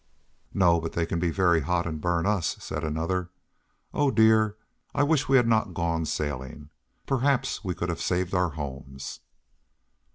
"No, but they can be very hot and burn us," said another. "Oh dear, I wish we had not gone sailing; perhaps we could have saved our homes."